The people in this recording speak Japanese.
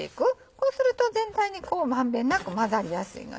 こうすると全体に満遍なく混ざりやすい。